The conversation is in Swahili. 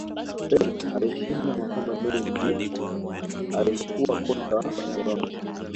pep alishinda makombe mengi alivyokuwa kocha wa barcelona